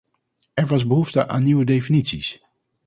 Er was behoefte aan nieuwe definities.